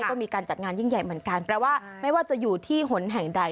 ก็มีการจัดงานยิ่งใหญ่เหมือนกันแปลว่าไม่ว่าจะอยู่ที่หนแห่งใด